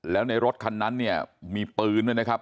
แล้วในรถคันนั้นเนี่ยมีปืนด้วยนะครับ